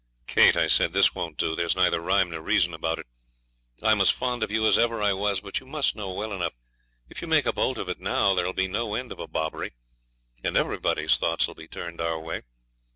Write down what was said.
'Kate,' I said, 'this won't do. There's neither rhyme nor reason about it. I'm as fond of you as ever I was, but you must know well enough if you make a bolt of it now there'll be no end of a bobbery, and everybody's thoughts will be turned our way.